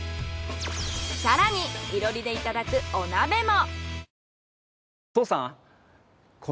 更に囲炉裏でいただくお鍋も。